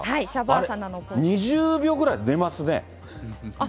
あれ、２０秒ぐらい寝ますね。